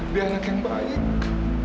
dia anak yang baik